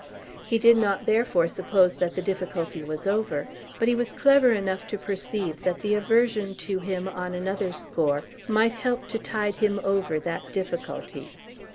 He did not therefore suppose that the difficulty was over; but he was clever enough to perceive that the aversion to him on another score might help to tide him over that difficulty.